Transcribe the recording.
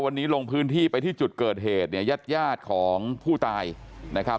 วันนี้ลงพื้นที่ไปที่จุดเกิดเหตุยาดของผู้ตายนะครับ